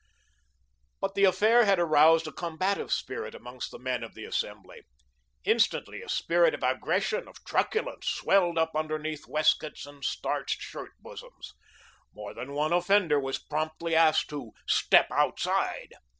But the affair had aroused a combative spirit amongst the men of the assembly. Instantly a spirit of aggression, of truculence, swelled up underneath waistcoats and starched shirt bosoms. More than one offender was promptly asked to "step outside."